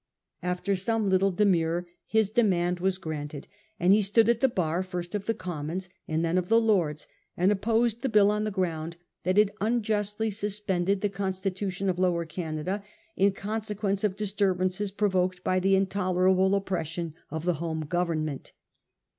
After some little demur his demand was granted, and he stood at the bar, first of the Commons, and then of the Lords, and opposed the bill on the ground that it unjustly suspended the constitution of Lower Canada in con sequence of disturbances provoked by the intolerable oppression of the home Government.